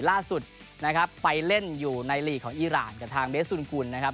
ล่าสุดนะครับไปเล่นอยู่ในลีกของอีรานกับทางเบสสุนกุลนะครับ